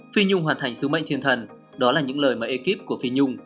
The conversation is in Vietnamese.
phi nhung hoàn thành sứ mệnh truyền thần đó là những lời mà ekip của phi nhung